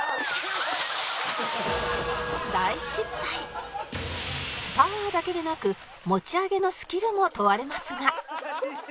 大失敗パワーだけでなく持ち上げのスキルも問われますが